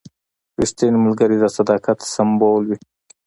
رښتینی ملګری د صداقت سمبول وي.